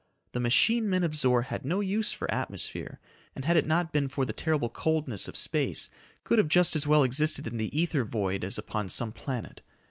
The machine men of Zor had no use for atmosphere, and had it not been for the terrible coldness of space, could have just as well existed in the ether void as upon some planet.